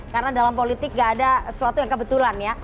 karena dalam politik gak ada sesuatu yang kebetulan ya